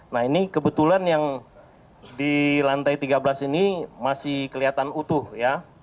nah ini kebetulan yang di lantai tiga belas ini masih kelihatan utuh ya